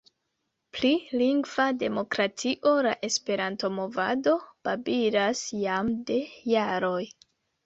Pri lingva demokratio la Esperanto-movado babilas jam de jaroj.